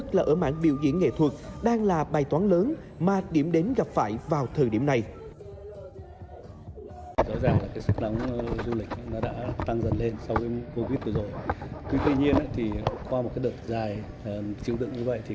tuy nhiên qua một đợt dài chứng tượng như vậy